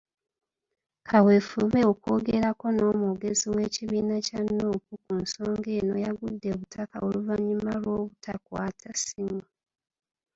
Kaweefube okwogerako n'Omwogezi w'ekibiina kya Nuupu, ku nsonga eno, yagudde butaka oluvannyuma lw'obutakwata ssimu.